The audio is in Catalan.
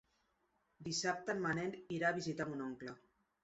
Dissabte en Manel irà a visitar mon oncle.